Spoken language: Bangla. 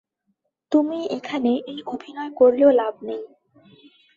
তুমি এখানে এই অভিনয় করলেও লাভ নেই।